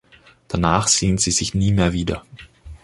Danach sehen sie sich nie mehr wieder.